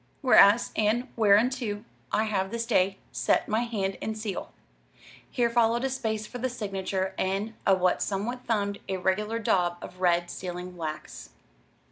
Whereas and whereunto I have this day set my Hand and Seal." Here followed a space for the signature, and a somewhat thumbed, irregular daub of red sealing wax.